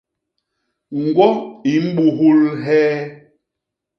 Ñgwo i mbuhul hee?